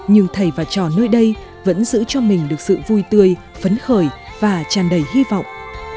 nhưng thầy và trò nơi đây vẫn giữ cho mình được sự vui tươi phấn khởi và tràn đầy hy vọng